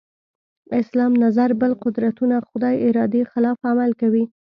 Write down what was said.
اسلام نظر بل قدرتونه خدای ارادې خلاف عمل کوي.